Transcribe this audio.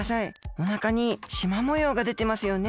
おなかにしまもようがでてますよね。